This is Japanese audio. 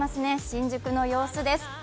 新宿の様子です。